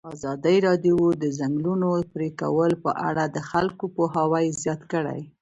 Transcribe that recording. ازادي راډیو د د ځنګلونو پرېکول په اړه د خلکو پوهاوی زیات کړی.